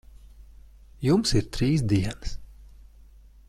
Jums ir trīs dienas.